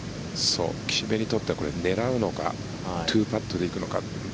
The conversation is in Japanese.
岸部にとっては狙うのか２パットで行くのか。